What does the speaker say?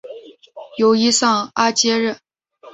由伊桑阿接任。